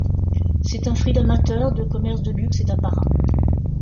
C'est un fruit d'amateur, de commerce de luxe et d'apparat.